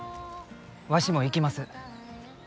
わしも行きます。